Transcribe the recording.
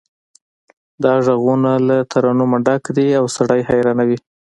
دا غږونه له ترنمه ډک وي او سړی حیرانوي